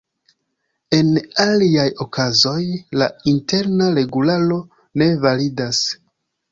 En aliaj okazoj, la Interna Regularo ne validas.